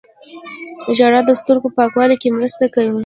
ژړا د سترګو پاکولو کې مرسته کوي